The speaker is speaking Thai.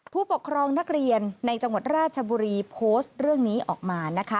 ผู้ปกครองนักเรียนในจังหวัดราชบุรีโพสต์เรื่องนี้ออกมานะคะ